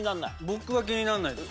僕は気にならないです。